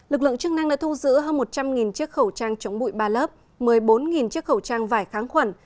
lực lượng chức năng đã thu giữ hơn một trăm linh chiếc khẩu trang chống bụi ba lớp một mươi bốn chiếc khẩu trang vải kháng khuẩn